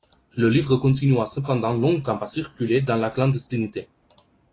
Le livre continua cependant longtemps à circuler dans la clandestinité.